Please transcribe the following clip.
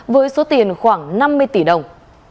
với số tiền khoảng năm mươi tỷ đồng